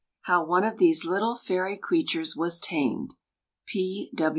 HOW ONE OF THESE LITTLE FAIRY CREATURES WAS TAMED.